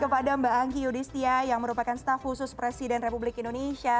kepada mbak angki yudhistia yang merupakan staf khusus presiden republik indonesia